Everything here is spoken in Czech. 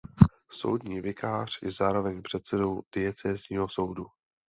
Soudní vikář je zároveň předsedou diecézního soudu.